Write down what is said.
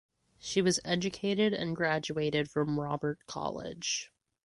She was educated and graduated from Robert College.